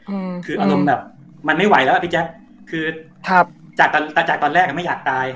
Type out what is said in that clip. อืมคืออารมณ์แบบมันไม่ไหวแล้วอ่ะพี่แจ๊คคือครับจากตอนตาจากตอนแรกอ่ะไม่อยากตาย